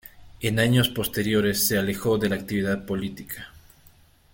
En años posteriores se alejó de la actividad política.